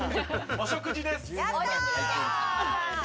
お食事です。